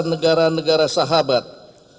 yang saya hormati para anggota dpr dan dpr